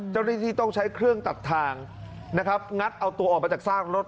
เจ้าหน้าที่ต้องใช้เครื่องตัดทางนะครับงัดเอาตัวออกมาจากซากรถ